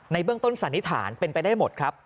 เบื้องต้นสันนิษฐานเป็นไปได้หมดครับ